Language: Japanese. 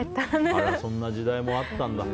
そんな時代もあったんだ。